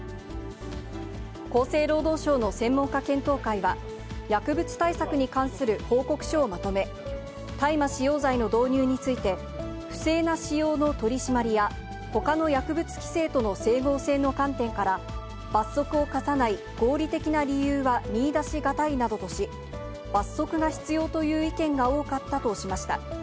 厚生労働省の専門家検討会は、薬物対策に関する報告書をまとめ、大麻使用罪の導入について、不正な使用の取締りや、ほかの薬物規制との整合性の観点から、罰則を科さない合理的な理由は見いだし難いなどとし、罰則が必要という意見が多かったとしました。